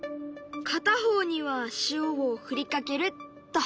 片方には塩を振りかけるっと。